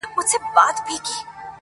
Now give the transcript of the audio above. چي مغلوبه سي تیاره رڼا ځلېږي,